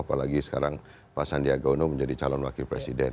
apalagi sekarang pak sandiaga uno menjadi calon wakil presiden